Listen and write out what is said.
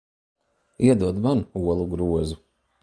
Iedod man olu grozu.